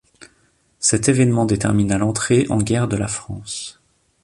Cet événement détermina l’entrée en guerre de la France.